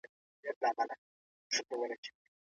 ستاسو ژوند به په تدریجي ډول ښه کیږي.